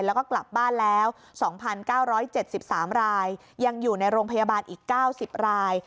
แล้วก็กลับบ้านแล้ว๒๙๗๓รายยังอยู่ในโรงพยาบาลอีก๙๐ราย